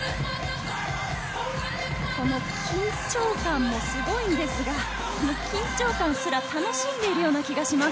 この緊張感もすごいんですが、緊張感すら楽しんでいるように感じます。